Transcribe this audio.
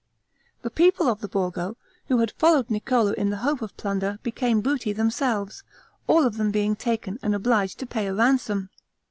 The people of the Borgo, who had followed Niccolo in the hope of plunder, became booty themselves, all of them being taken, and obliged to pay a ransom.